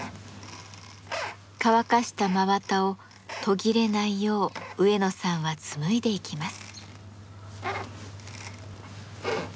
乾かした真綿を途切れないよう植野さんは紡いでいきます。